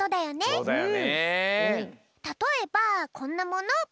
そうだよね。